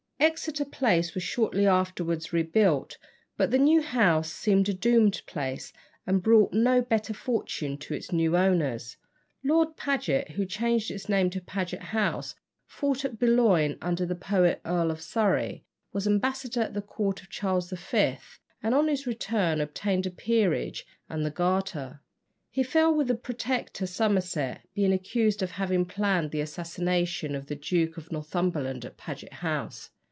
Exeter Place was shortly afterwards rebuilt, but the new house seemed a doomed place, and brought no better fortune to its new owners. Lord Paget, who changed its name to Paget House, fought at Boulogne under the poet Earl of Surrey, was ambassador at the court of Charles V., and on his return obtained a peerage and the garter. He fell with the Protector Somerset, being accused of having planned the assassination of the Duke of Northumberland at Paget House.